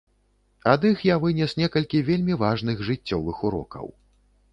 Ад іх я вынес некалькі вельмі важных жыццёвых урокаў.